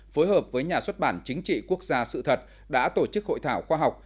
phối hợp với nhà xuất bản chính trị quốc gia sự thật đã tổ chức hội thảo khoa học